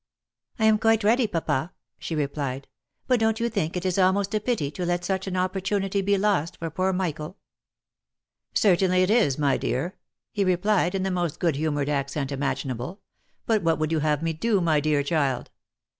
" I am quite ready, papa," she replied ;" but don't you think it is almost a pity to let such an opportunity be lost for poor Michael ?"" Certainly it is, my dear," he replied in the most good humoured accent imaginable. " But what would you have me do, my dear child?